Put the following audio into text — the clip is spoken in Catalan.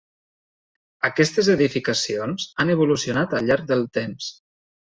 Aquestes edificacions han evolucionat al llarg del temps.